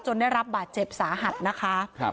ได้รับบาดเจ็บสาหัสนะคะ